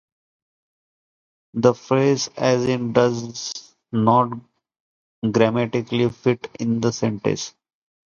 The phrase "as in" does not grammatically fit in the sentence.